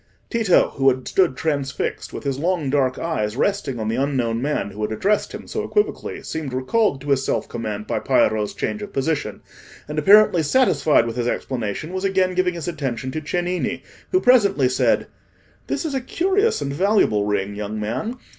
Tito, who had stood transfixed, with his long dark eyes resting on the unknown man who had addressed him so equivocally, seemed recalled to his self command by Piero's change of position, and apparently satisfied with his explanation, was again giving his attention to Cennini, who presently said— "This is a curious and valuable ring, young man.